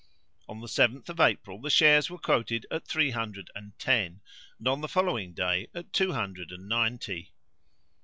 On the 7th of April the shares were quoted at three hundred and ten, and on the following day at two hundred and ninety.